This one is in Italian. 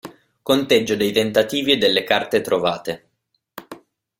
Conteggio dei tentativi e delle carte trovate.